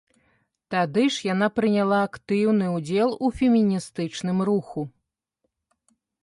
Тады ж яна прыняла актыўны ўдзел у феміністычным руху.